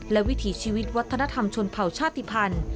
และวิถีชีวิตวัฒนธรรมชนเผ่าชาติภัณฑ์